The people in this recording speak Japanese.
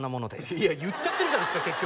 いや言っちゃってるじゃないですか結局。